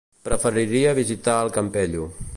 Preferiria visitar el Campello.